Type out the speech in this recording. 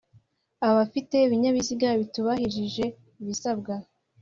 Abafite ibinyabiziga bitubahirije ibisabwa